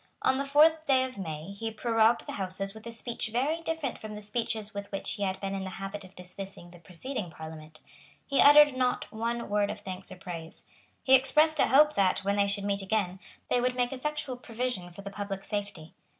On the fourth day of May he prorogued the Houses with a speech very different from the speeches with which he had been in the habit of dismissing the preceding Parliament. He uttered not one word of thanks or praise. He expressed a hope that, when they should meet again, they would make effectual provision for the public safety.